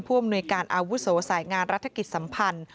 อำนวยการอาวุโสสายงานรัฐกิจสัมพันธ์